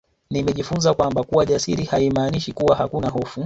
Nimejifunza kwamba kuwa jasiri haimaanishi kuwa hakuna hofu